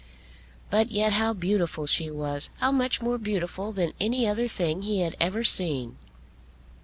But yet how beautiful she was; how much more beautiful than any other thing he had ever seen!